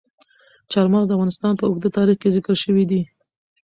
چار مغز د افغانستان په اوږده تاریخ کې ذکر شوی دی.